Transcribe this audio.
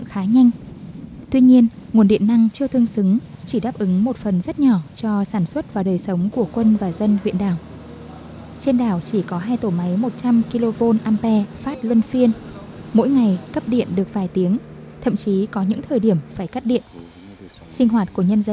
hãy nhớ like share và đăng ký kênh của chúng mình nhé